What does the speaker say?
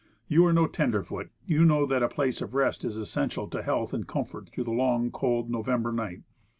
You are no tenderfoot. You know that a place of rest is essential to health and comfort INDIAN CAMP. through the long, cold, November night.